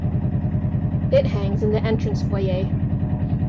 It hangs in the entrance foyer.